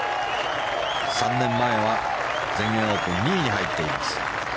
３年前は、全英オープン２位に入っています。